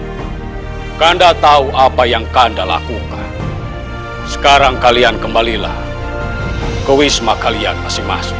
hai kanda tahu apa yang kanda lakukan sekarang kalian kembalilah ke wisma kalian masih masuk